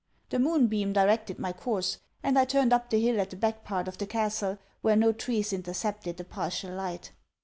The moonbeam directed my course; and I turned up the hill at the back part of the castle where no trees intercepted the partial light.